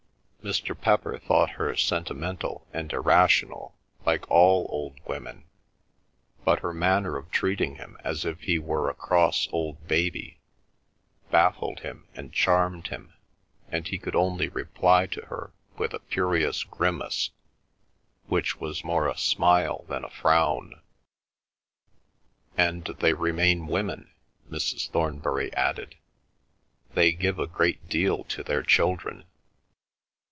Mr. Pepper thought her sentimental and irrational like all old women, but her manner of treating him as if he were a cross old baby baffled him and charmed him, and he could only reply to her with a curious grimace which was more a smile than a frown. "And they remain women," Mrs. Thornbury added. "They give a great deal to their children."